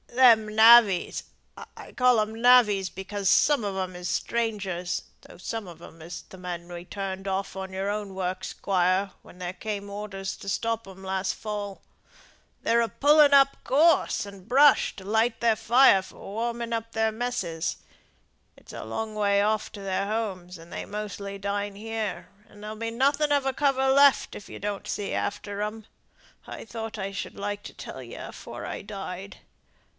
"Them navvies I call 'em navvies because some on 'em is strangers, though some on 'em is th' men as was turned off your own works, squire, when there came orders to stop 'em last fall they're a pulling up gorse and brush to light their fire for warming up their messes. It's a long way off to their homes, and they mostly dine here; and there'll be nothing of a cover left, if you don't see after 'em. I thought I should like to tell ye afore I died.